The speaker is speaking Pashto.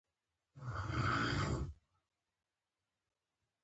افغانستان د ژبو په اړه مشهور تاریخی روایتونه لري.